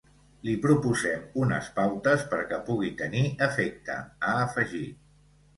Li proposem unes pautes perquè pugui tenir efecte, ha afegit.